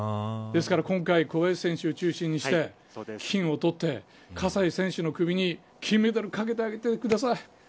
ですから今回小林選手を中心にして金を取って、葛西選手の首に金メダルかけてあげてください。